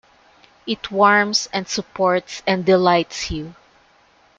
It warms and supports and delights you.